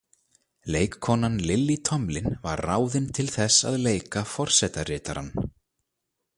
Leikkonan Lily Tomlin var ráðin til þess að leika forsetaritarann.